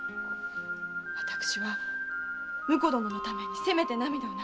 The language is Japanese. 私は婿殿のためにせめて涙を流したい。